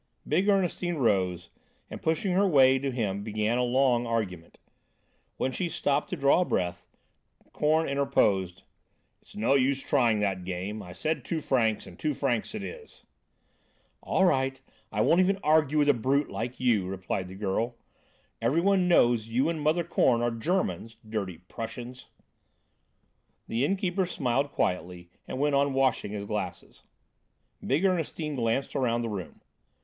Big Ernestine rose, and pushing her way to him, began a long argument. When she stopped to draw a breath, Korn interposed: "It's no use trying that game. I said two francs and two francs it is." "All right, I won't argue with a brute like you," replied the girl. "Everyone knows that you and Mother Korn are Germans, dirty Prussians." The innkeeper smiled quietly and went on washing his glasses. Big Ernestine glanced around the room.